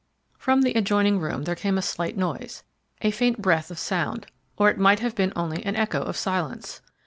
From the adjoining room there came a slight noise, a faint breath of sound; or it might have been only an echo of silence.